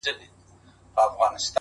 تخت سفر به انارګل او نارنج ګل ته یوسو -